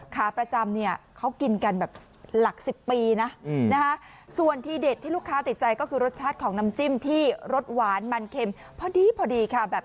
ขาประจำเนี่ยเขากินกันแบบหลัก๑๐ปีนะส่วนทีเด็ดที่ลูกค้าติดใจก็คือรสชาติของน้ำจิ้มที่รสหวานมันเข็มพอดีพอดีค่ะ